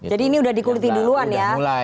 jadi ini sudah dikuliti duluan ya